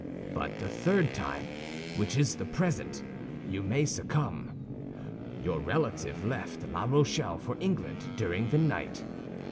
But the third time, which is the present, you may succumb. Your relative left La Rochelle for England during the night.